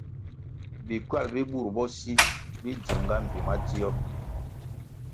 Bi ckywal bi bur bo si bi dzininga mbpi madzio.